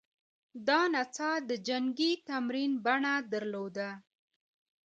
دا نڅا د جنګي تمرین بڼه درلوده